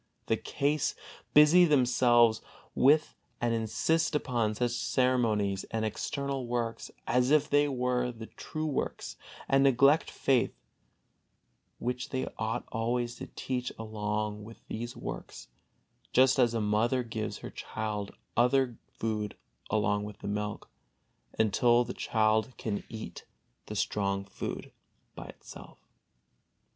the case, busy themselves with and insist upon such ceremonies and external works as if they were the true works, and neglect faith, which they ought always to teach along with these works, just as a mother gives her child other food along with the milk, until the child can eat the strong food by itself.